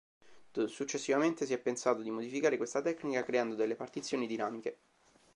Successivamente, si è pensato di modificare questa tecnica creando delle "partizioni dinamiche".